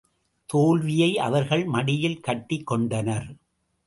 தோல்வியை அவர்கள் மடியில் கட்டிக் கொண்டனர்.